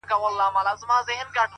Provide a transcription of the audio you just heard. مثبت فکر د زړه دروندوالی کموي’